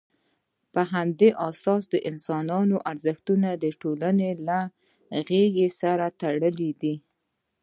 په همدې اساس، د انسان ارزښت د ټولنې له غېږې سره تړلی دی.